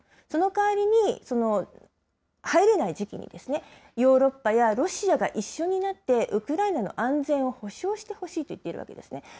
そのかわりに、入れない時期に、ヨーロッパやロシアが一緒になって、ウクライナの安全を保障してほしいと言っているわけですね。